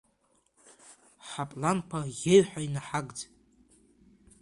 Ҳапланқәа аӷьеиҩ ҳәа инаҳагӡ.